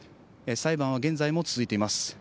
裁判は現在も続いています。